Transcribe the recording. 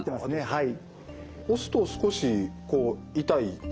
はい。